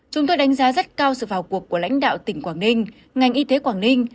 chúng tôi đánh giá rất cao sự vào cuộc của lãnh đạo tỉnh quảng ninh ngành y tế quảng ninh